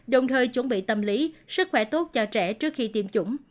đồng thời chuẩn bị tâm lý sức khỏe tốt cho trẻ trước khi tiêm chủng